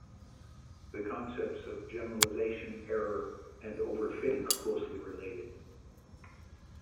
The concepts of generalization error and overfitting are closely related.